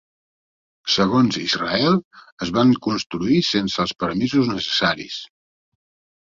Segons Israel, es van construir sense els permisos necessaris.